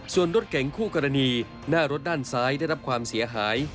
ส่วนรถเก่งคู่กรณีหน้ารถด้านซ้ายได้รับความเสียหาย